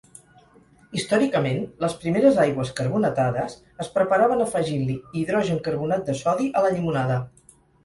Històricament, les primeres aigües carbonatades es preparaven afegint-li hidrogencarbonat de sodi a la llimonada.